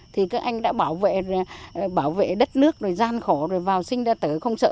thì các anh đã bảo vệ đất nước rồi gian khổ rồi vào sinh ra tớ không sợ